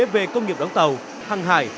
về công nghiệp đóng tàu hàng hải